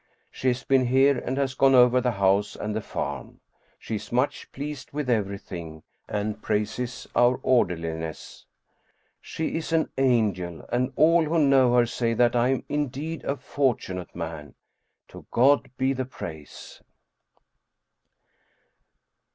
She has been here and has gone over the house and the farm. She is much pleased with everything and praxes our orderliness. She is an angel, and all who know her say that I am indeed a fortunate man. To God be the praise